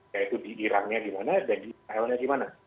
yaitu di iran nya di mana dan di israel nya di mana